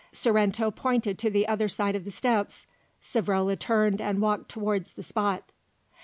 Sorrento pointed to the other side of the steps. Savrola turned and walked towards the spot.